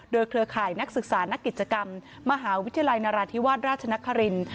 โดยเครือข่ายนักศึกษานักกิจกรรมมหาวิทยาลัยนราธิวาสราชนคริน